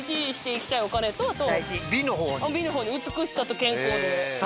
美のほうに美しさと健康で。